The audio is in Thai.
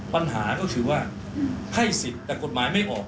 ปัญหาก็คือว่าให้สิทธิ์แต่กฎหมายไม่ออก